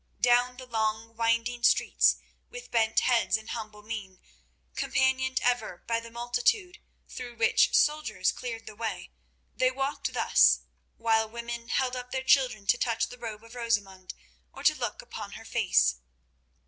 Down the long, winding streets, with bent heads and humble mien, companioned ever by the multitude, through which soldiers cleared the way, they walked thus, while women held up their children to touch the robe of Rosamund or to look upon her face.